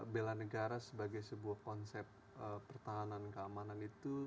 bela negara sebagai sebuah konsep pertahanan keamanan itu